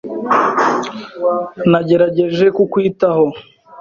Nagerageje kukwitaho.